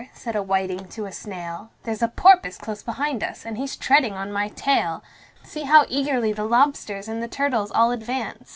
said a whiting to a snail, "There's a porpoise close behind us, and he's treading on my tail. See how eagerly the lobsters and the turtles all advance!